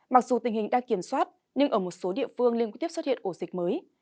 mặc dù tình hình đang kiểm soát nhưng ở một số địa phương liên tiếp xuất hiện ổ dịch mới